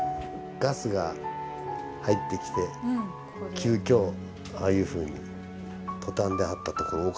ガスが入ってきて急きょああいうふうにトタンで張った所多かったです。